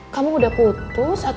kamu sudah putus atau mereka balik